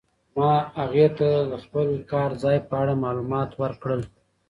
ما هغې ته د خپل کار ځای په اړه معلومات ورکړل.